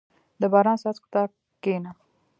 • د باران څاڅکو ته کښېنه.